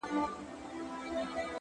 د خپل ښايسته خيال پر زرينه پاڼه ـ